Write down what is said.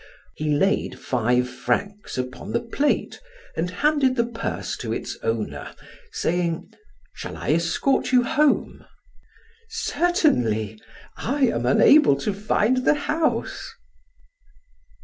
He laid five francs upon the plate and handed the purse to its owner, saying: "Shall I escort you home?" "Certainly; I am unable to find the house."